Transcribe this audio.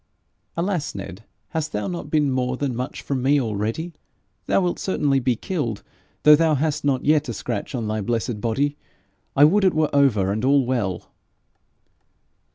'Alas, Ned! hast thou not been more than much from me already? Thou wilt certainly be killed, though thou hast not yet a scratch on thy blessed body. I would it were over and all well!'